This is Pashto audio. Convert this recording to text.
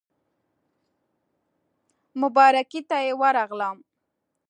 مبارکۍ ته یې ورغلم.